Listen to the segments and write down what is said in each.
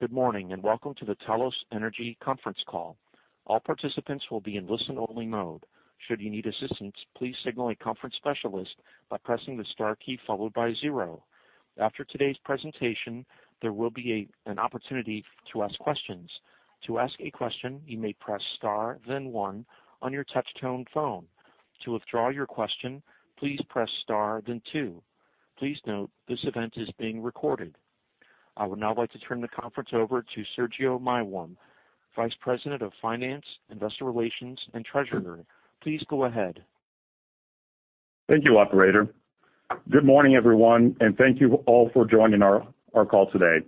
Good morning, and welcome to the Talos Energy conference call. All participants will be in listen-only mode. Should you need assistance, please signal a conference specialist by pressing the star key followed by zero. After today's presentation, there will be an opportunity to ask questions. To ask a question, you may press star then one on your touch tone phone. To withdraw your question, please press star then two. Please note, this event is being recorded. I would now like to turn the conference over to Sergio Maiworm, Vice President of Finance, Investor Relations, and Treasurer. Please go ahead. Thank you, operator. Good morning, everyone, and thank you all for joining our call today.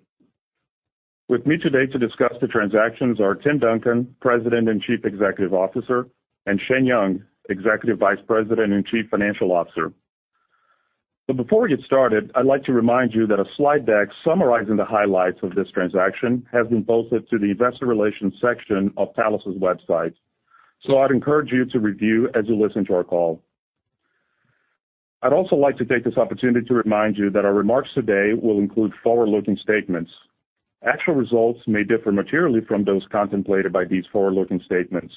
With me today to discuss the transactions are Tim Duncan, President and Chief Executive Officer, and Shane Young, Executive Vice President and Chief Financial Officer. Before we get started, I'd like to remind you that a slide deck summarizing the highlights of this transaction has been posted to the investor relations section of Talos Energy's website. I'd encourage you to review as you listen to our call. I'd also like to take this opportunity to remind you that our remarks today will include forward-looking statements. Actual results may differ materially from those contemplated by these forward-looking statements.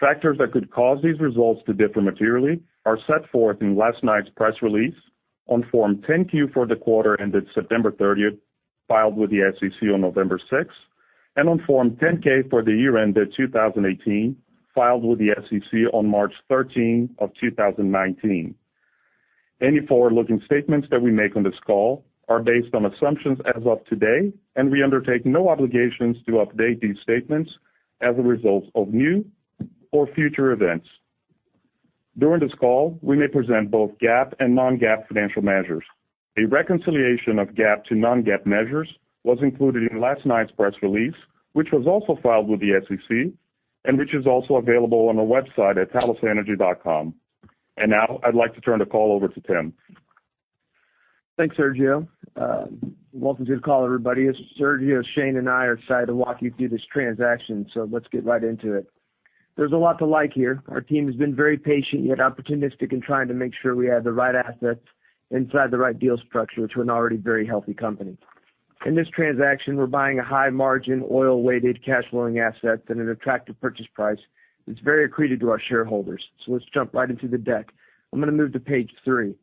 Factors that could cause these results to differ materially are set forth in last night's press release on Form 10-Q for the quarter ended September 30th, filed with the SEC on November 6th, and on Form 10-K for the year ended 2018, filed with the SEC on March 13 of 2019. Any forward-looking statements that we make on this call are based on assumptions as of today, and we undertake no obligations to update these statements as a result of new or future events. During this call, we may present both GAAP and non-GAAP financial measures. A reconciliation of GAAP to non-GAAP measures was included in last night's press release, which was also filed with the SEC and which is also available on our website at talosenergy.com. Now I'd like to turn the call over to Tim. Thanks, Sergio. Welcome to the call, everybody. As Sergio, Shane, and I are excited to walk you through this transaction, let's get right into it. There's a lot to like here. Our team has been very patient, yet opportunistic in trying to make sure we have the right assets inside the right deal structure to an already very healthy company. In this transaction, we're buying a high margin, oil-weighted, cash-flowing asset at an attractive purchase price that's very accretive to our shareholders. Let's jump right into the deck. I'm going to move to page three.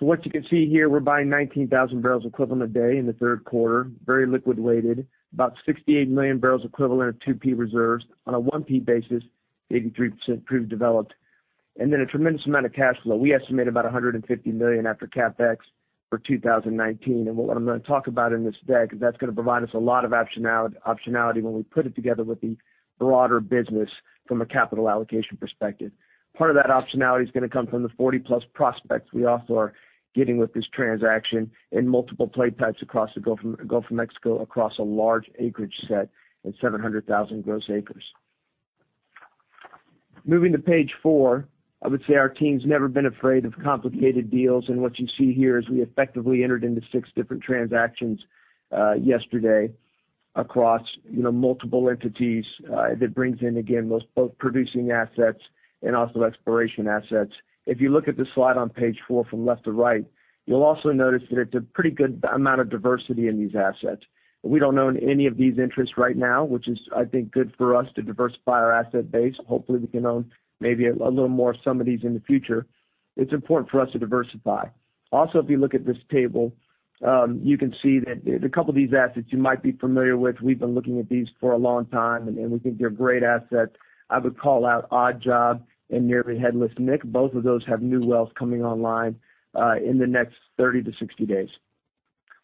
What you can see here, we're buying 19,000 barrels equivalent a day in the third quarter, very liquid weighted, about 68 million barrels equivalent of 2P reserves. On a 1P basis, 83% proved developed. Then a tremendous amount of cash flow. We estimate about $150 million after CapEx for 2019. What I'm going to talk about in this deck, that's going to provide us a lot of optionality when we put it together with the broader business from a capital allocation perspective. Part of that optionality is going to come from the 40-plus prospects we also are getting with this transaction in multiple play types across the Gulf of Mexico, across a large acreage set at 700,000 gross acres. Moving to page four, I would say our team's never been afraid of complicated deals, and what you see here is we effectively entered into six different transactions yesterday across multiple entities. That brings in, again, both producing assets and also exploration assets. If you look at the slide on page four from left to right, you'll also notice that it's a pretty good amount of diversity in these assets. We don't own any of these interests right now, which is, I think, good for us to diversify our asset base. Hopefully, we can own maybe a little more of some of these in the future. It's important for us to diversify. Also, if you look at this table, you can see that a couple of these assets you might be familiar with. We've been looking at these for a long time, and we think they're great assets. I would call out Odd Job and Nearly Headless Nick. Both of those have new wells coming online in the next 30 to 60 days.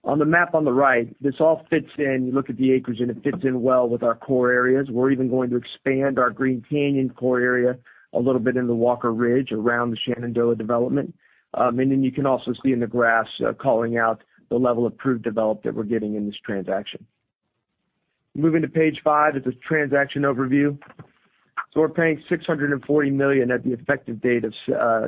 On the map on the right, this all fits in. You look at the acreage, and it fits in well with our core areas. We're even going to expand our Green Canyon core area a little bit into Walker Ridge around the Shenandoah development. You can also see in the graphs, calling out the level of proved developed that we're getting in this transaction. Moving to page five is this transaction overview. We're paying $640 million at the effective date of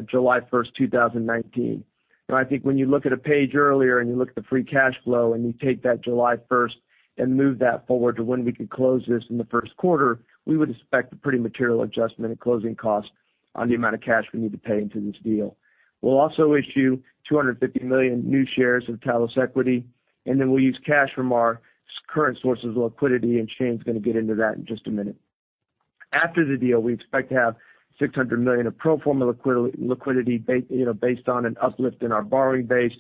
July 1st, 2019. I think when you look at a page earlier and you look at the free cash flow and you take that July 1st and move that forward to when we could close this in the first quarter, we would expect a pretty material adjustment in closing cost on the amount of cash we need to pay into this deal. We'll also issue 250 million new shares of Talos equity, and then we'll use cash from our current sources of liquidity, and Shane's going to get into that in just a minute. After the deal, we expect to have $600 million of pro forma liquidity based on an uplift in our borrowing base.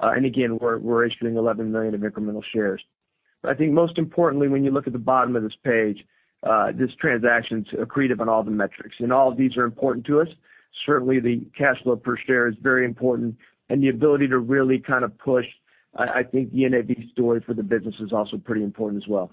Again, we're issuing 11 million of incremental shares. I think most importantly, when you look at the bottom of this page, this transaction's accretive on all the metrics, and all of these are important to us. Certainly, the cash flow per share is very important and the ability to really push, I think, the NAV story for the business is also pretty important as well.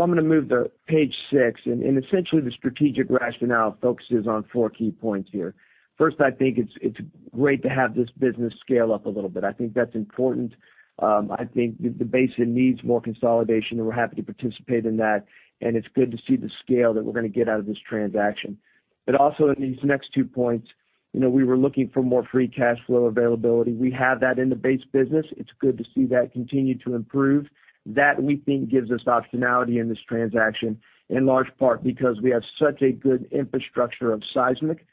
I'm going to move to page six, and essentially, the strategic rationale focuses on four key points here. First, I think it's great to have this business scale up a little bit. I think that's important. I think the basin needs more consolidation, and we're happy to participate in that, and it's good to see the scale that we're going to get out of this transaction. Also, in these next two points. We were looking for more free cash flow availability. We have that in the base business. It's good to see that continue to improve. That, we think, gives us optionality in this transaction, in large part because we have such a good infrastructure of seismic.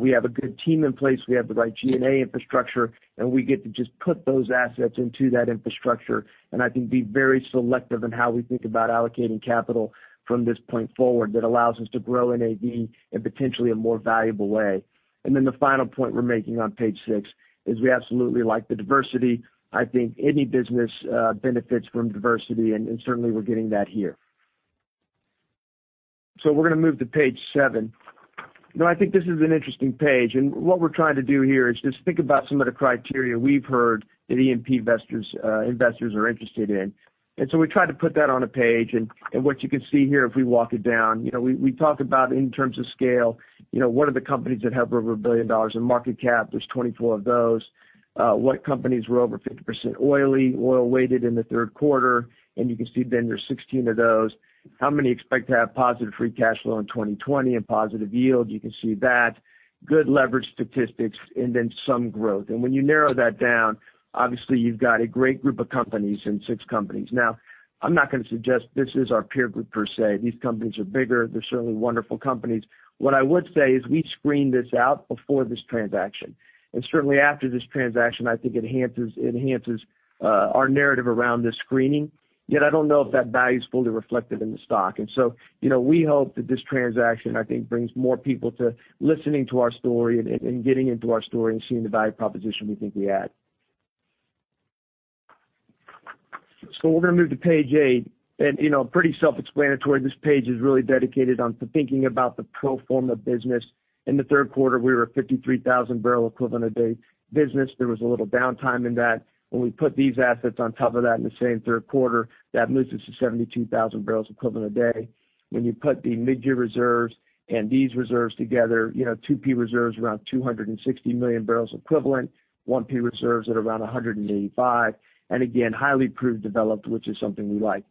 We have a good team in place. We have the right G&A infrastructure, and we get to just put those assets into that infrastructure and I think be very selective in how we think about allocating capital from this point forward that allows us to grow NAV in potentially a more valuable way. The final point we're making on page six is we absolutely like the diversity. I think any business benefits from diversity, and certainly we're getting that here. We're going to move to page seven. I think this is an interesting page, and what we're trying to do here is just think about some of the criteria we've heard that E&P investors are interested in. We tried to put that on a page, and what you can see here, if we walk it down, we talk about in terms of scale, what are the companies that have over $1 billion in market cap? There's 24 of those. What companies were over 50% oily, oil weighted in the third quarter, and you can see then there's 16 of those. How many expect to have positive free cash flow in 2020 and positive yield? You can see that. Good leverage statistics and then some growth. When you narrow that down, obviously you've got a great group of companies in six companies. I'm not going to suggest this is our peer group per se. These companies are bigger. They're certainly wonderful companies. What I would say is we screened this out before this transaction, and certainly after this transaction, I think enhances our narrative around this screening, yet I don't know if that value is fully reflected in the stock. We hope that this transaction, I think, brings more people to listening to our story and getting into our story and seeing the value proposition we think we add. We're going to move to page eight, and pretty self-explanatory. This page is really dedicated to thinking about the pro forma business. In the third quarter, we were a 53,000 barrel equivalent a day business. There was a little downtime in that. When we put these assets on top of that in the same third quarter, that moves us to 72,000 barrels equivalent a day. When you put the mid-year reserves and these reserves together, 2P reserves around 260 million barrels equivalent, 1P reserves at around 185 million barrels equivalent. Again, highly proved developed, which is something we like.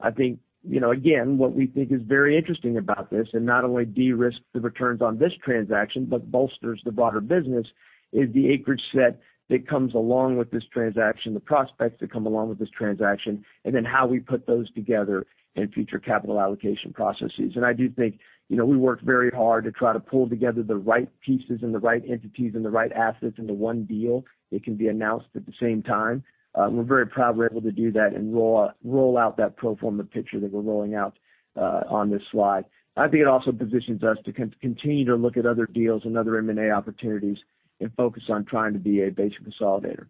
I think, again, what we think is very interesting about this, and not only de-risk the returns on this transaction, but bolsters the broader business, is the acreage set that comes along with this transaction, the prospects that come along with this transaction, and then how we put those together in future capital allocation processes. I do think, we worked very hard to try to pull together the right pieces and the right entities and the right assets into one deal that can be announced at the same time. We're very proud we were able to do that and roll out that pro forma picture that we're rolling out on this slide. I think it also positions us to continue to look at other deals and other M&A opportunities and focus on trying to be a basin consolidator.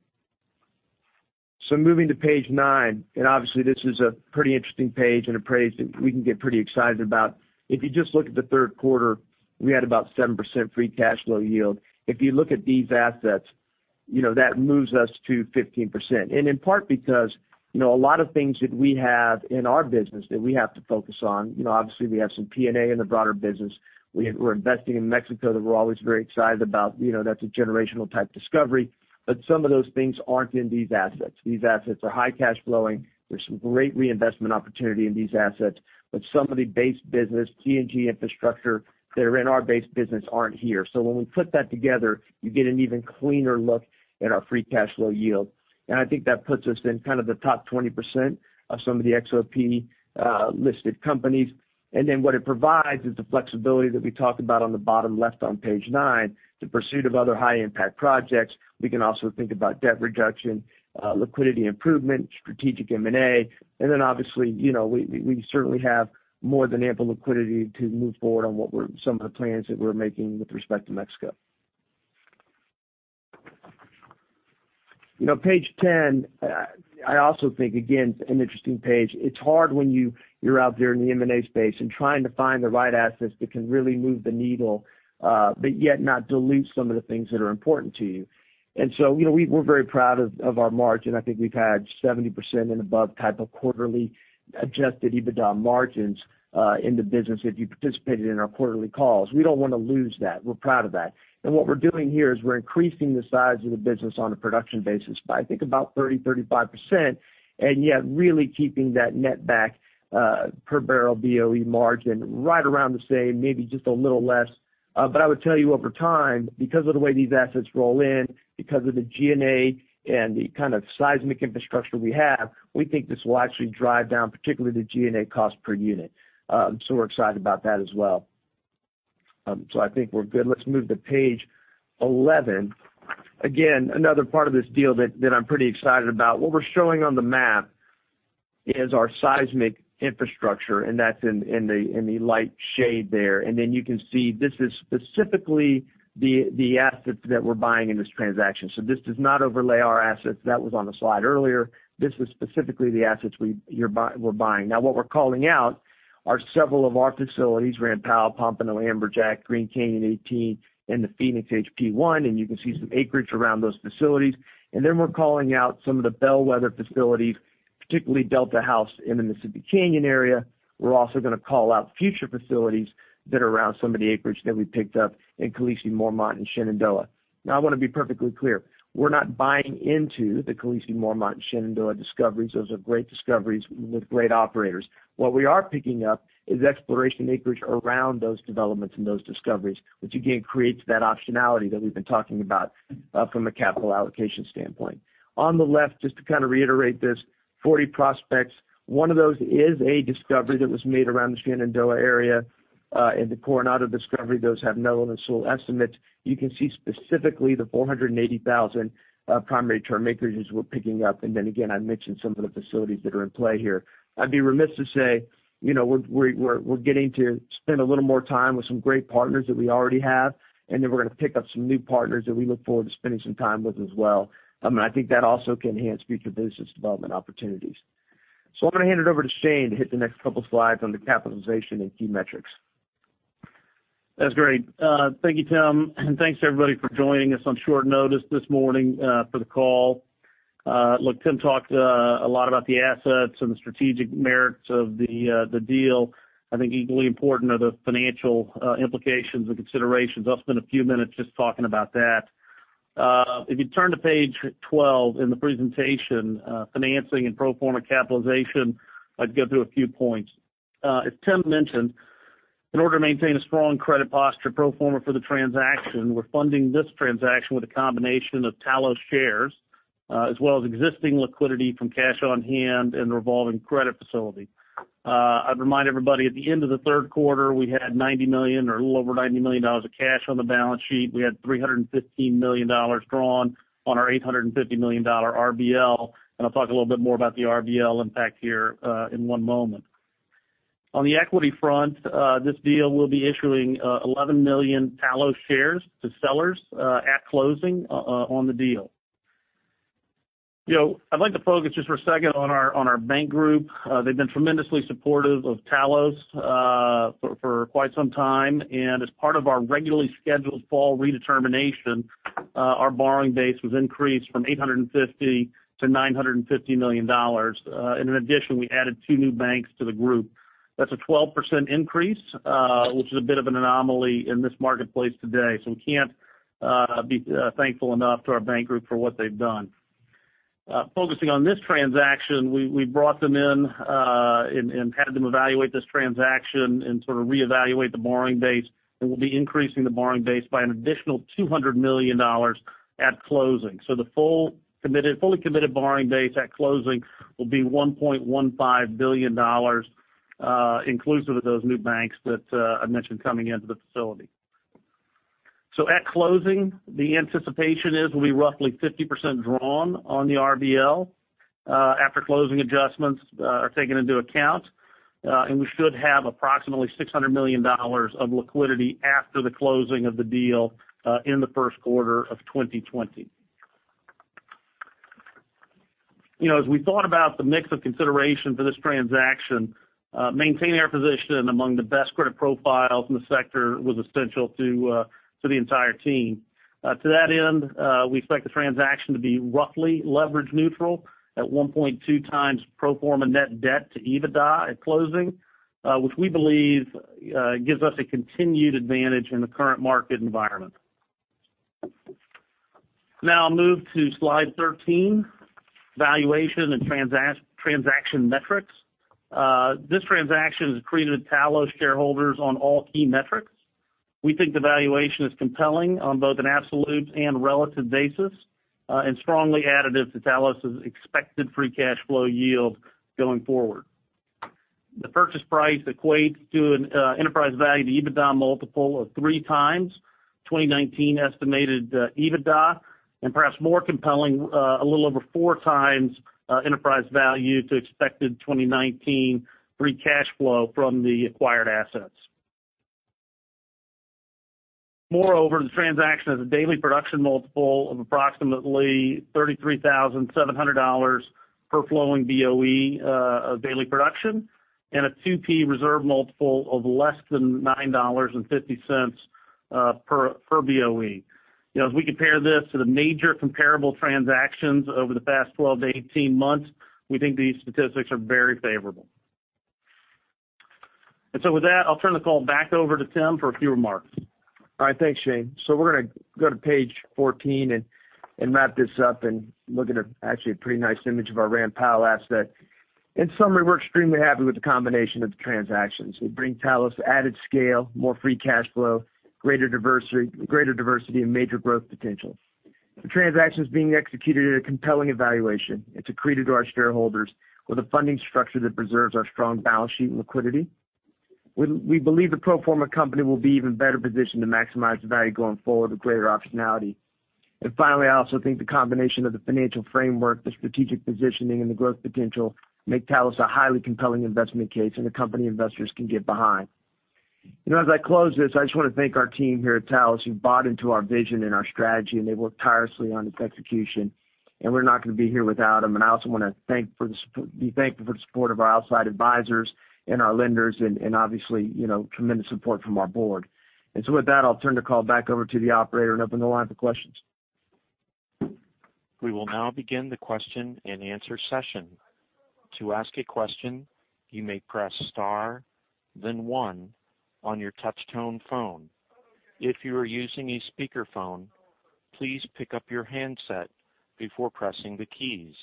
Moving to page nine, and obviously this is a pretty interesting page and a page that we can get pretty excited about. If you just look at the third quarter, we had about 7% free cash flow yield. If you look at these assets, that moves us to 15%. In part because, a lot of things that we have in our business that we have to focus on, obviously we have some P&A in the broader business. We're investing in Mexico that we're always very excited about. That's a generational type discovery. Some of those things aren't in these assets. These assets are high cash flowing. There's some great reinvestment opportunity in these assets, but some of the base business, P&A infrastructure that are in our base business aren't here. When we put that together, you get an even cleaner look at our free cash flow yield. I think that puts us in kind of the top 20% of some of the E&P listed companies. What it provides is the flexibility that we talked about on the bottom left on page nine, the pursuit of other high-impact projects. We can also think about debt reduction, liquidity improvement, strategic M&A. Obviously, we certainly have more than ample liquidity to move forward on some of the plans that we're making with respect to Mexico. Page 10, I also think, again, an interesting page. It's hard when you're out there in the M&A space and trying to find the right assets that can really move the needle, but yet not dilute some of the things that are important to you. We're very proud of our margin. I think we've had 70% and above type of quarterly adjusted EBITDA margins in the business if you participated in our quarterly calls. We don't want to lose that. We're proud of that. What we're doing here is we're increasing the size of the business on a production basis by I think about 30%, 35%, and yet really keeping that net back, per barrel BOE margin right around the same, maybe just a little less. I would tell you over time, because of the way these assets roll in, because of the G&A and the kind of seismic infrastructure we have, we think this will actually drive down, particularly the G&A cost per unit. We're excited about that as well. I think we're good. Let's move to page 11. Again, another part of this deal that I'm pretty excited about. What we're showing on the map is our seismic infrastructure, and that's in the light shade there. You can see this is specifically the assets that we're buying in this transaction. This does not overlay our assets. That was on the slide earlier. This is specifically the assets we're buying. What we're calling out are several of our facilities, Ram Powell, Pompano, Amberjack, Green Canyon 18, and the Phoenix HP1, and you can see some acreage around those facilities. We're calling out some of the Bellwether facilities, particularly Delta House in the Mississippi Canyon area. We're also going to call out future facilities that are around some of the acreage that we picked up in Khaleesi, Mormont, and Shenandoah. I want to be perfectly clear. We're not buying into the Khaleesi, Mormont, and Shenandoah discoveries. Those are great discoveries with great operators. What we are picking up is exploration acreage around those developments and those discoveries, which again, creates that optionality that we've been talking about from a capital allocation standpoint. On the left, just to reiterate this, 40 prospects. One of those is a discovery that was made around the Shenandoah area, and the Coronado discovery, those have no reserves estimates. You can see specifically the 480,000 primary term acreages we're picking up, and then again, I mentioned some of the facilities that are in play here. I'd be remiss to say, we're getting to spend a little more time with some great partners that we already have, and then we're going to pick up some new partners that we look forward to spending some time with as well. I think that also can enhance future business development opportunities. I'm going to hand it over to Shane to hit the next couple slides on the capitalization and key metrics. That's great. Thank you, Tim, and thanks everybody for joining us on short notice this morning for the call. Look, Tim talked a lot about the assets and the strategic merits of the deal. I think equally important are the financial implications and considerations. I'll spend a few minutes just talking about that. If you turn to page 12 in the presentation, financing and pro forma capitalization, I'd go through a few points. As Tim mentioned, in order to maintain a strong credit posture pro forma for the transaction, we're funding this transaction with a combination of Talos shares, as well as existing liquidity from cash on hand and revolving credit facility. I'd remind everybody, at the end of the third quarter, we had $90 million or a little over $90 million of cash on the balance sheet. We had $315 million drawn on our $850 million RBL, I'll talk a little bit more about the RBL impact here in one moment. On the equity front, this deal will be issuing 11 million Talos shares to sellers at closing on the deal. I'd like to focus just for a second on our bank group. They've been tremendously supportive of Talos for quite some time. As part of our regularly scheduled fall redetermination, our borrowing base was increased from $850 million-$950 million. In addition, we added two new banks to the group. That's a 12% increase, which is a bit of an anomaly in this marketplace today, we can't be thankful enough to our bank group for what they've done. Focusing on this transaction, we brought them in and had them evaluate this transaction and reevaluate the borrowing base. We'll be increasing the borrowing base by an additional $200 million at closing. The fully committed borrowing base at closing will be $1.15 billion, inclusive of those new banks that I mentioned coming into the facility. At closing, the anticipation is we'll be roughly 50% drawn on the RBL after closing adjustments are taken into account, and we should have approximately $600 million of liquidity after the closing of the deal in the first quarter of 2020. As we thought about the mix of consideration for this transaction, maintaining our position among the best credit profiles in the sector was essential to the entire team. To that end, we expect the transaction to be roughly leverage neutral at 1.2 times pro forma net debt to EBITDA at closing, which we believe gives us a continued advantage in the current market environment. Now I'll move to slide 13, valuation and transaction metrics. This transaction is accretive to Talos shareholders on all key metrics. We think the valuation is compelling on both an absolute and relative basis, and strongly additive to Talos' expected free cash flow yield going forward. The purchase price equates to an enterprise value to EBITDA multiple of 3x 2019 estimated EBITDA, and perhaps more compelling, a little over 4x enterprise value to expected 2019 free cash flow from the acquired assets. Moreover, the transaction has a daily production multiple of approximately $33,700 per flowing BOE of daily production and a 2P reserve multiple of less than $9.50 per BOE. As we compare this to the major comparable transactions over the past 12 to 18 months, we think these statistics are very favorable. With that, I'll turn the call back over to Tim for a few remarks. All right. Thanks, Shane. We're going to go to page 14 and wrap this up and look at actually a pretty nice image of our Ram Powell asset. In summary, we're extremely happy with the combination of the transactions. They bring Talos added scale, more free cash flow, greater diversity, and major growth potential. The transaction is being executed at a compelling evaluation. It's accretive to our shareholders with a funding structure that preserves our strong balance sheet and liquidity. We believe the pro forma company will be even better positioned to maximize value going forward with greater optionality. Finally, I also think the combination of the financial framework, the strategic positioning, and the growth potential make Talos a highly compelling investment case and a company investors can get behind. As I close this, I just want to thank our team here at Talos who bought into our vision and our strategy. They've worked tirelessly on its execution. We're not going to be here without them. I also want to be thankful for the support of our outside advisors and our lenders and obviously, tremendous support from our board. With that, I'll turn the call back over to the operator and open the line for questions. We will now begin the question and answer session. To ask a question, you may press star then one on your touchtone phone. If you are using a speakerphone, please pick up your handset before pressing the keys.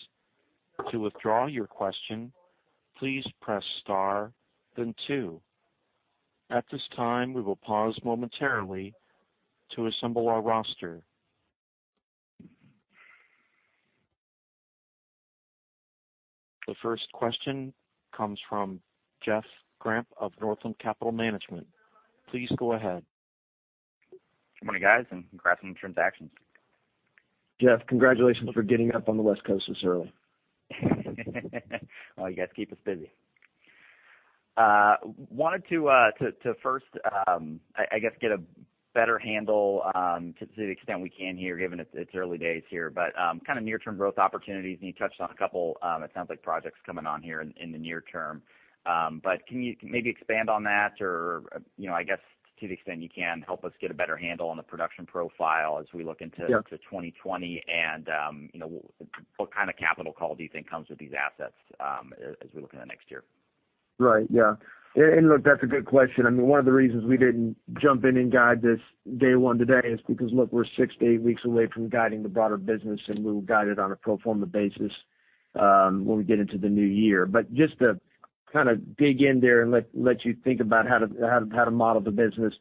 To withdraw your question, please press star then two. At this time, we will pause momentarily to assemble our roster. The first question comes from Jeff Grampp of Northland Capital Markets. Please go ahead. Good morning, guys, and congrats on the transactions. Jeff, congratulations for getting up on the West Coast this early. Well, you guys keep us busy. Wanted to first, I guess, get a better handle, to the extent we can here, given it's early days here, near-term growth opportunities. You touched on a couple, it sounds like projects coming on here in the near term. Can you maybe expand on that or, I guess to the extent you can, help us get a better handle on the production profile as we look into? Yeah 2020, what kind of capital call do you think comes with these assets, as we look in the next year? Right. Yeah. Look, that's a good question. One of the reasons we didn't jump in and guide this day one today is because, look, we're six to eight weeks away from guiding the broader business, and we'll guide it on a pro forma basis when we get into the new year. Just to dig in there and let you think about how to model the business.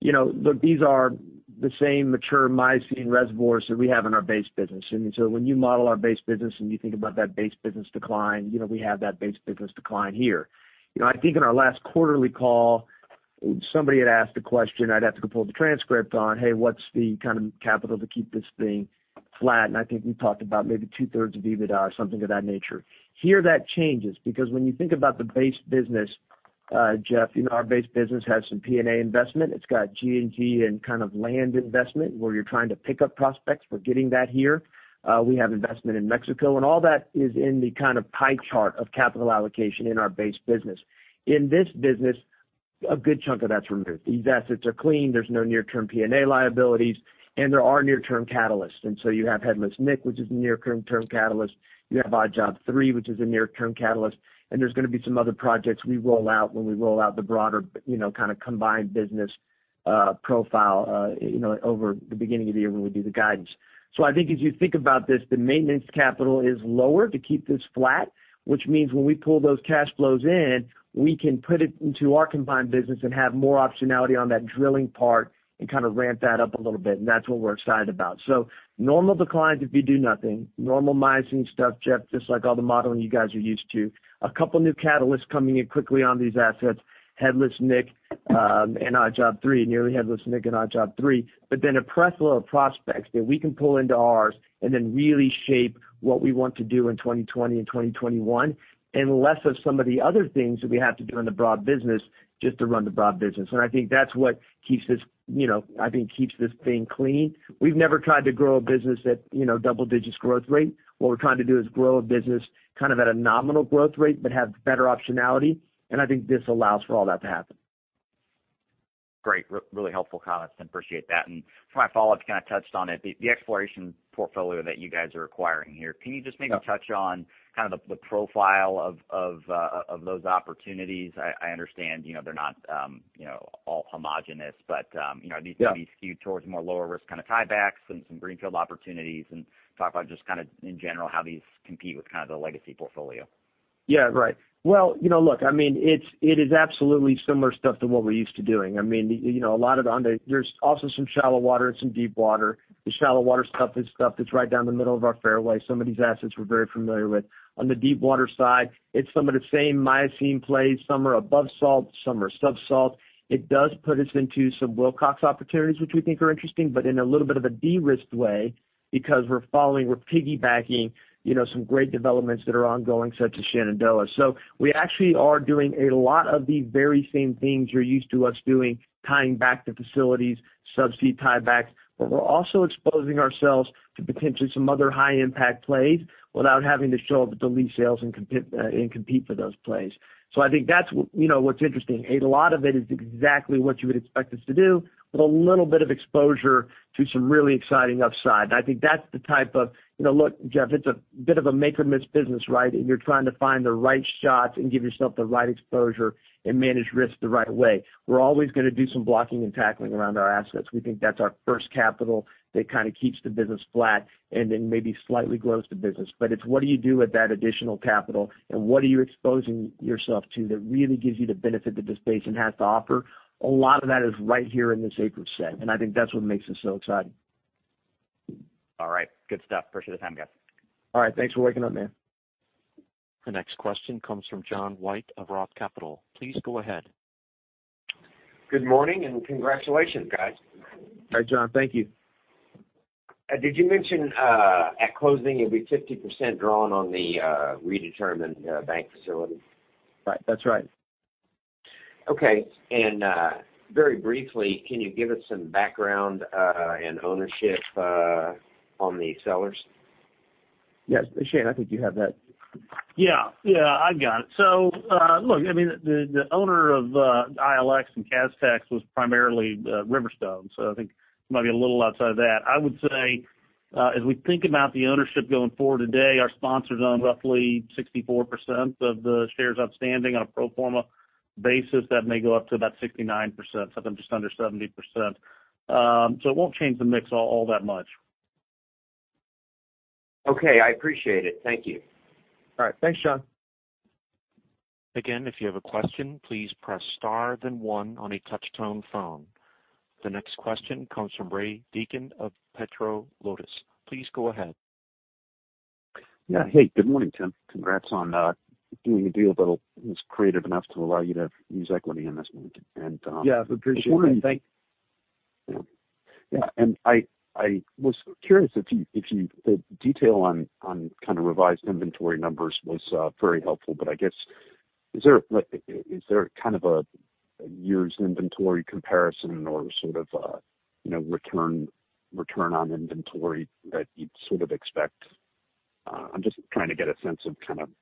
Look, these are the same mature Miocene reservoirs that we have in our base business. When you model our base business and you think about that base business decline, we have that base business decline here. I think in our last quarterly call, somebody had asked a question, I'd have to go pull the transcript on, "Hey, what's the kind of capital to keep this thing flat?" I think we talked about maybe two-thirds of EBITDA, something of that nature. Here that changes, because when you think about the base business, Jeff, our base business has some P&A investment. It's got G&G and kind of land investment where you're trying to pick up prospects. We're getting that here. We have investment in Mexico, and all that is in the pie chart of capital allocation in our base business. In this business, a good chunk of that's removed. These assets are clean. There's no near-term P&A liabilities, and there are near-term catalysts. You have Headless Nick, which is a near-term catalyst. You have Odd Job 3, which is a near-term catalyst. There's going to be some other projects we roll out when we roll out the broader, combined business profile over the beginning of the year when we do the guidance. I think as you think about this, the maintenance capital is lower to keep this flat, which means when we pull those cash flows in, we can put it into our combined business and have more optionality on that drilling part and ramp that up a little bit. That's what we're excited about. Normal declines if you do nothing. Normal Miocene stuff, Jeff, just like all the modeling you guys are used to. A couple new catalysts coming in quickly on these assets, Nearly Headless Nick and Odd Job 3. A fresh load of prospects that we can pull into ours and then really shape what we want to do in 2020 and 2021, and less of some of the other things that we have to do in the broad business just to run the broad business. I think that's what keeps this thing clean. We've never tried to grow a business at double-digit growth rate. What we're trying to do is grow a business at a nominal growth rate but have better optionality, and I think this allows for all that to happen. Great. Really helpful comments. I appreciate that. For my follow-up, you kind of touched on it. The exploration portfolio that you guys are acquiring here, can you just maybe touch on the profile of those opportunities? I understand they're not all homogenous. Yeah are these skewed towards more lower risk kind of tiebacks and some greenfield opportunities? Talk about just in general, how these compete with the legacy portfolio. Right. Well, look, it is absolutely similar stuff to what we're used to doing. There's also some shallow water and some deep water. The shallow water stuff is stuff that's right down the middle of our fairway. Some of these assets we're very familiar with. On the deepwater side, it's some of the same Miocene plays. Some are above salt, some are subsalt. It does put us into some Wilcox opportunities, which we think are interesting, but in a little bit of a de-risked way because we're piggybacking some great developments that are ongoing, such as Shenandoah. We actually are doing a lot of the very same things you're used to us doing, tying back to facilities, subsea tiebacks. We're also exposing ourselves to potentially some other high-impact plays without having to show up at the lease sales and compete for those plays. I think that's what's interesting. A lot of it is exactly what you would expect us to do, with a little bit of exposure to some really exciting upside. I think that's the type of-- Look, Jeff, it's a bit of a make-or-miss business, right? You're trying to find the right shots and give yourself the right exposure and manage risk the right way. We're always going to do some blocking and tackling around our assets. We think that's our first capital that keeps the business flat and then maybe slightly grows the business. It's what do you do with that additional capital, and what are you exposing yourself to that really gives you the benefit that this basin has to offer? A lot of that is right here in this acreage set, and I think that's what makes this so exciting. All right. Good stuff. Appreciate the time, guys. All right. Thanks for waking up, man. The next question comes from John White of ROTH Capital. Please go ahead. Good morning, and congratulations, guys. Hi, John. Thank you. Did you mention, at closing, it'll be 50% drawn on the redetermined bank facility? That's right. Okay. Very briefly, can you give us some background, and ownership, on the sellers? Yes. Shane, I think you have that. Yeah, I got it. Look, the owner of ILX and Castex was primarily Riverstone, so I think it might be a little outside of that. I would say, as we think about the ownership going forward today, our sponsors own roughly 64% of the shares outstanding on a pro forma basis. That may go up to about 69%, something just under 70%. It won't change the mix all that much. Okay. I appreciate it. Thank you. All right. Thanks, John. Again, if you have a question, please press star, then one on a touch-tone phone. The next question comes from Ray Deacon of Petro Lotus. Please go ahead. Yeah. Hey, good morning, Tim. Congrats on doing a deal that was creative enough to allow you to use equity in this market. Yeah, I appreciate that. Yeah. I was curious if the detail on kind of revised inventory numbers was very helpful. I guess, is there a kind of a year's inventory comparison or sort of a return on inventory that you'd sort of expect?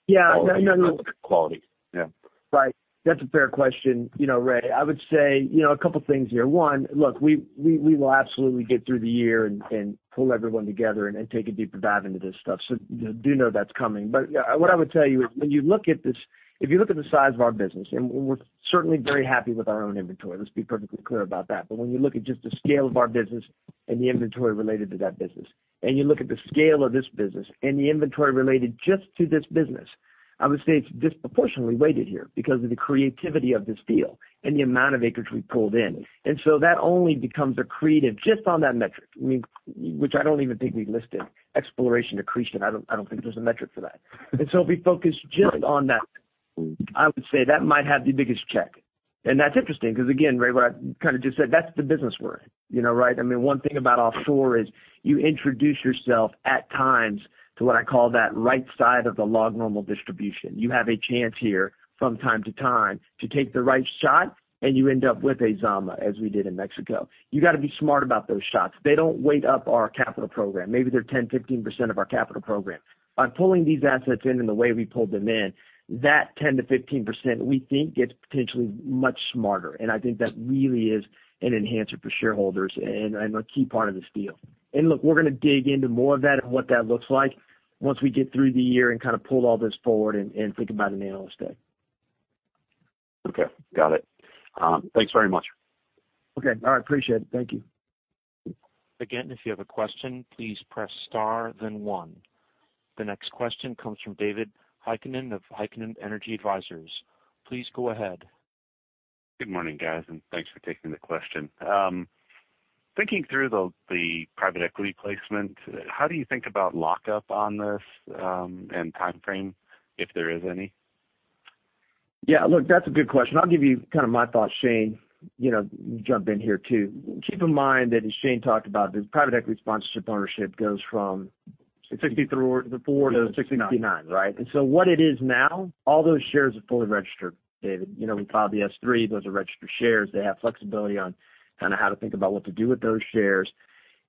Yeah. No, no quality. Yeah. Right. That's a fair question, Ray. I would say a couple things here. One, look, we will absolutely get through the year and pull everyone together and take a deeper dive into this stuff. Do know that's coming. What I would tell you is if you look at the size of our business, and we're certainly very happy with our own inventory, let's be perfectly clear about that. When you look at just the scale of our business and the inventory related to that business, and you look at the scale of this business and the inventory related just to this business, I would say it's disproportionately weighted here because of the creativity of this deal and the amount of acreage we pulled in. That only becomes accretive just on that metric, which I don't even think we listed. Exploration accretion, I don't think there's a metric for that. So if we focus just on that, I would say that might have the biggest check. That's interesting because, again, Ray, what I kind of just said, that's the business we're in. Right. One thing about offshore is you introduce yourself at times to what I call that right side of the log normal distribution. You have a chance here from time to time to take the right shot, and you end up with a Zama, as we did in Mexico. You got to be smart about those shots. They don't weight up our capital program. Maybe they're 10-15% of our capital program. On pulling these assets in and the way we pulled them in, that 10-15%, we think gets potentially much smarter. I think that really is an enhancer for shareholders and a key part of this deal. Look, we're going to dig into more of that and what that looks like once we get through the year and kind of pull all this forward and think about an analyst day. Okay. Got it. Thanks very much. Okay. All right. Appreciate it. Thank you. Again, if you have a question, please press star, then one. The next question comes from David Heikkinen of Heikkinen Energy Advisors. Please go ahead. Good morning, guys, and thanks for taking the question. Thinking through the private equity placement, how do you think about lock-up on this, and timeframe, if there is any? Yeah. Look, that's a good question. I'll give you kind of my thoughts. Shane, you jump in here too. Keep in mind that as Shane talked about, the private equity sponsorship partnership goes from. 64-69. 64-69, right? What it is now, all those shares are fully registered, David. We filed the S3. Those are registered shares. They have flexibility on kind of how to think about what to do with those shares.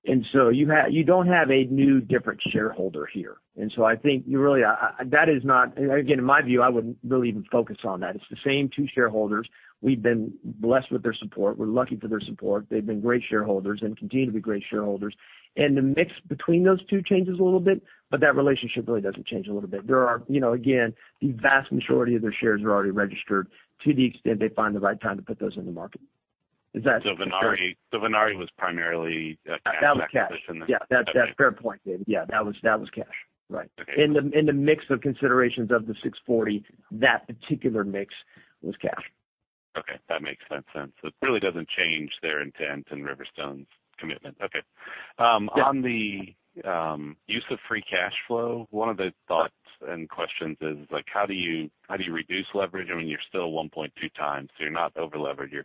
You don't have a new different shareholder here. I think that is not-- again, in my view, I wouldn't really even focus on that. It's the same two shareholders. We've been blessed with their support. We're lucky for their support. They've been great shareholders and continue to be great shareholders. The mix between those two changes a little bit, but that relationship really doesn't change a little bit. There are, again, the vast majority of their shares are already registered to the extent they find the right time to put those in the market. Is that? Venari was primarily a cash acquisition? That was cash. Yeah, that's a fair point, David. Yeah, that was cash. Right. Okay. In the mix of considerations of the 640, that particular mix was cash. Okay. That makes sense. It really doesn't change their intent and Riverstone's commitment. Okay. Yeah. On the use of free cash flow, one of the thoughts and questions is, how do you reduce leverage? I mean, you're still 1.2 times. You're not over-levered. You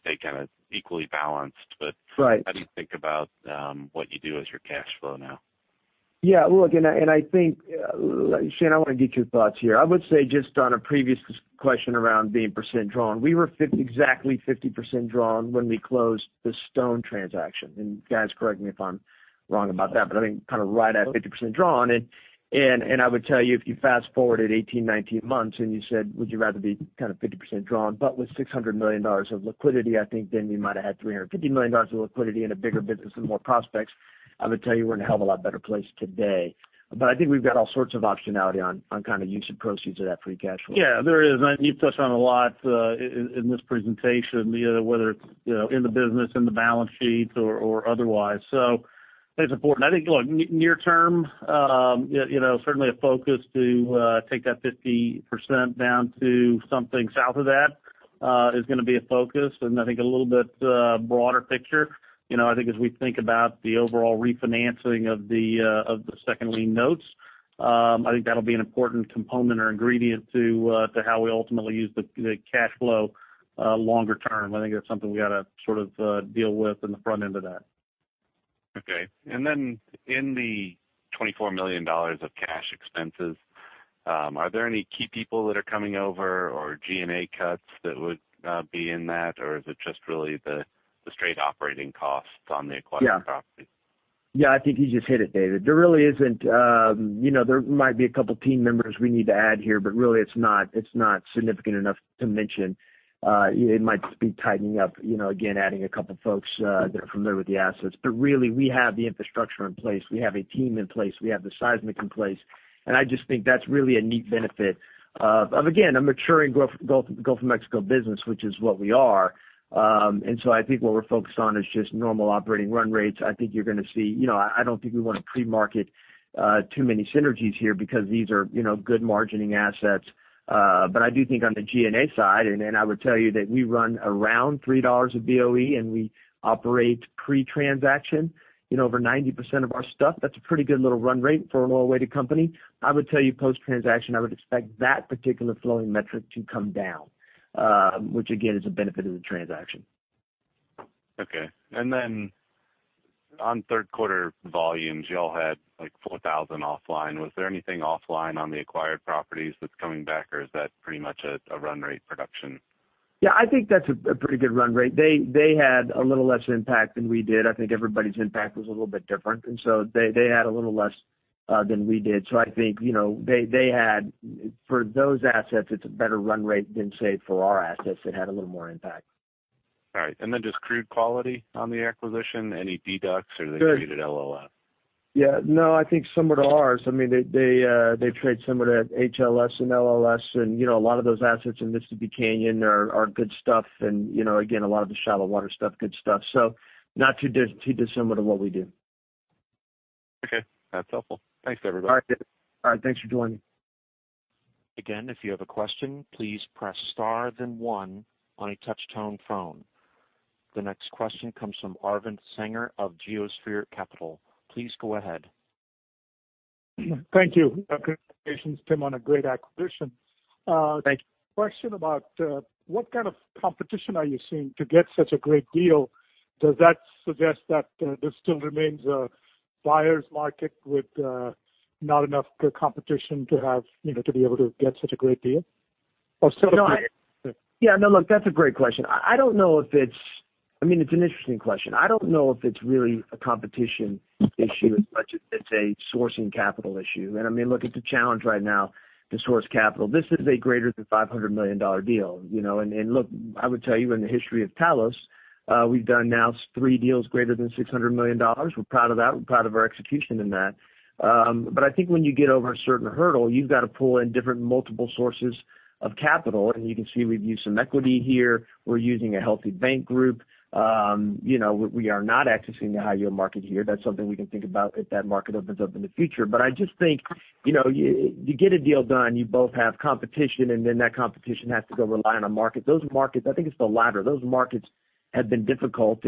stay kind of equally balanced. Right how do you think about what you do with your cash flow now? Yeah, look, I think, Shane, I want to get your thoughts here. I would say, just on a previous question around being % drawn, we were exactly 50% drawn when we closed the Stone transaction. Guys, correct me if I'm wrong about that, but I think kind of right at 50% drawn. I would tell you, if you fast-forwarded 18, 19 months and you said, "Would you rather be 50% drawn, but with $600 million of liquidity?" I think then we might have had $350 million of liquidity and a bigger business and more prospects. I would tell you we're in a hell of a lot better place today. I think we've got all sorts of optionality on kind of use of proceeds of that free cash flow. Yeah, there is. You've touched on a lot in this presentation, whether it's in the business, in the balance sheets, or otherwise. I think it's important. I think, look, near term, certainly a focus to take that 50% down to something south of that is going to be a focus. I think a little bit broader picture, I think as we think about the overall refinancing of the second lien notes, I think that'll be an important component or ingredient to how we ultimately use the cash flow longer term. I think that's something we got to sort of deal with in the front end of that. Okay. In the $24 million of cash expenses. Are there any key people that are coming over or G&A cuts that would be in that? Or is it just really the straight operating costs on the acquired property? Yeah, I think you just hit it, David. There might be a couple team members we need to add here, but really it's not significant enough to mention. It might just be tightening up, again, adding a couple folks that are familiar with the assets. Really, we have the infrastructure in place. We have a team in place. We have the seismic in place. I just think that's really a neat benefit of, again, a maturing Gulf of Mexico business, which is what we are. I think what we're focused on is just normal operating run rates. I don't think we want to pre-market too many synergies here because these are good margining assets. I do think on the G&A side, and I would tell you that we run around $3 of BOE, and we operate pre-transaction over 90% of our stuff. That's a pretty good little run rate for an oil-weighted company. I would tell you post-transaction, I would expect that particular flowing metric to come down, which again, is a benefit of the transaction. Okay. On third quarter volumes, y'all had like 4,000 offline. Was there anything offline on the acquired properties that's coming back, or is that pretty much a run rate production? Yeah, I think that's a pretty good run rate. They had a little less impact than we did. I think everybody's impact was a little bit different, and so they had a little less than we did. I think, for those assets, it's a better run rate than, say, for our assets that had a little more impact. All right. Just crude quality on the acquisition, any deducts or they traded LLS? No, I think similar to ours. They trade similar to HLS and LLS, and a lot of those assets in Mississippi Canyon are good stuff, and again, a lot of the shallow water stuff, good stuff. Not too dissimilar to what we do. Okay. That's helpful. Thanks, everybody. All right, David. All right, thanks for joining. Again, if you have a question, please press star then one on a touch-tone phone. The next question comes from Arvind Sanger of Geosphere Capital. Please go ahead. Thank you. Congratulations, Tim, on a great acquisition. Thanks. Question about what kind of competition are you seeing to get such a great deal? Does that suggest that this still remains a buyer's market with not enough competition to be able to get such a great deal? Yeah, no, look, that's a great question. It's an interesting question. I don't know if it's really a competition issue as much as it's a sourcing capital issue. Look, it's a challenge right now to source capital. This is a greater than $500 million deal. Look, I would tell you in the history of Talos, we've done now three deals greater than $600 million. We're proud of that. We're proud of our execution in that. I think when you get over a certain hurdle, you've got to pull in different multiple sources of capital, and you can see we've used some equity here. We're using a healthy bank group. We are not accessing the high-yield market here. That's something we can think about if that market opens up in the future. I just think, you get a deal done, you both have competition, and then that competition has to go rely on a market. I think it's the latter. Those markets have been difficult,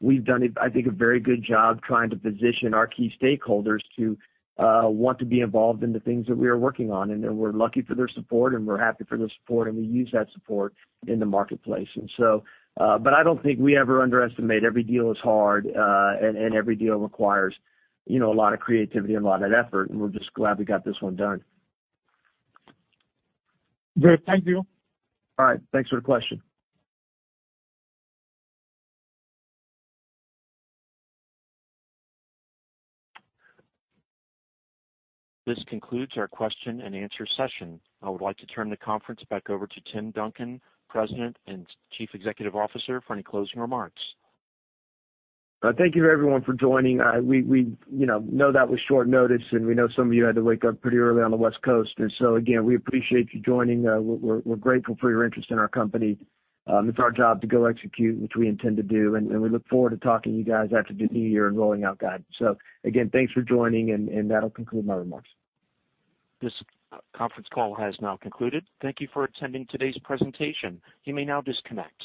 we've done, I think, a very good job trying to position our key stakeholders to want to be involved in the things that we are working on. We're lucky for their support, and we're happy for their support, and we use that support in the marketplace. I don't think we ever underestimate. Every deal is hard, and every deal requires a lot of creativity and a lot of effort, and we're just glad we got this one done. Great. Thank you. All right. Thanks for the question. This concludes our question and answer session. I would like to turn the conference back over to Tim Duncan, President and Chief Executive Officer, for any closing remarks. Thank you everyone for joining. We know that was short notice, and we know some of you had to wake up pretty early on the West Coast. Again, we appreciate you joining. We're grateful for your interest in our company. It's our job to go execute, which we intend to do, and we look forward to talking to you guys after the new year and rolling out guidance. Again, thanks for joining, and that'll conclude my remarks. This conference call has now concluded. Thank you for attending today's presentation. You may now disconnect.